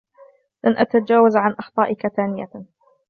لن أتجاوز عن أخطائك ثانيةً.